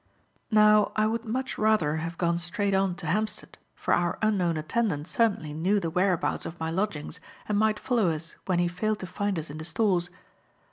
Now I would much rather have gone straight on to Hampstead, for our unknown attendant certainly knew the whereabouts of my lodgings and might follow us when he failed to find us in the stores.